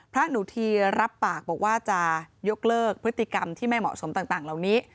พระหนูทีรับปากบอกว่าจะยกเลิกพฤติกรรมที่ไม่เหมาะสมต่างเหล่านี้